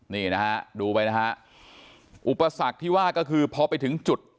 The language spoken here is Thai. นี่นะฮะดูไปนะฮะอุปสรรคที่ว่าก็คือพอไปถึงจุด